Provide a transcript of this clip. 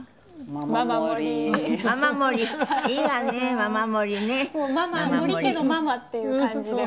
もうママ森家のママっていう感じで。